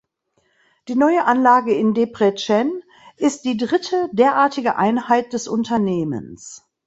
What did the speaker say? Die neue Anlage in Debrecen ist die dritte derartige Einheit des Unternehmens.